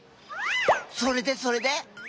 それでそれで？